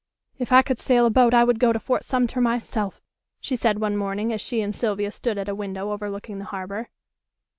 "If I could sail a boat I would go to Fort Sumter myself," she said one morning as she and Sylvia stood at a window overlooking the harbor.